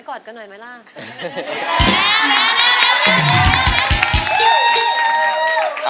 กอดกันหน่อยไหมล่ะ